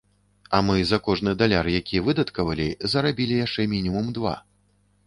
А мы за кожны даляр, які выдаткавалі, зарабілі яшчэ мінімум два.